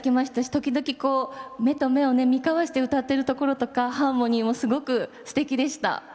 時々、目と目を見交わして歌っているところとかハーモニーもすごくすてきでした。